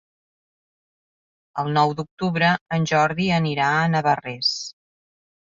El nou d'octubre en Jordi anirà a Navarrés.